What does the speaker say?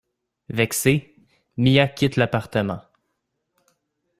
Vexée, Mia quitte l'appartement.